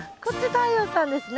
太陽さんですね？